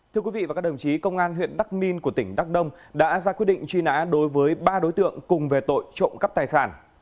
thưa quý vị và các đồng chí công an huyện đắc minh của tỉnh đắk đông đã ra quyết định truy nã đối với ba đối tượng cùng về tội trộm cắp tài sản